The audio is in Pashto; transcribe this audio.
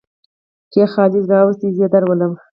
کې خالد راوستى؛ زې درولم.